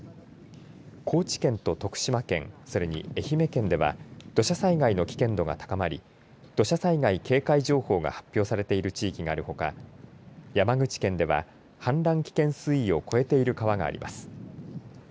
高知県と徳島県それに愛媛県では土砂災害の危険度が高まり土砂災害警戒情報が発表されている地域があるほか山口県では氾濫危険水位を超えている川があります。